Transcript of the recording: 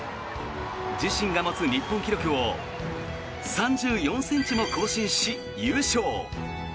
自身が持つ日本記録を３４ｃｍも更新し、優勝。